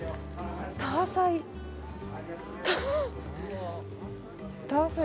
タアサイ。